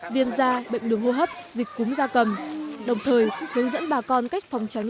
viêm da bệnh đường hô hấp dịch cúng da cầm đồng thời hướng dẫn bà con cách phòng tránh